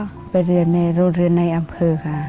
คือไปเรือในรถเรือในอำเภิลค่ะ